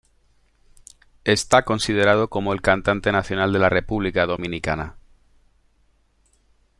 Está considerado como el cantante nacional de la República Dominicana.